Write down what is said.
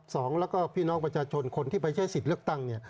สองแล้วก็พี่น้องประชาชนคนที่ไปใช้สิทธิ์เลือกตั้งเนี่ย